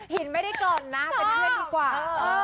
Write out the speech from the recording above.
ไม่ได้กล่อมนะเป็นเพื่อนดีกว่า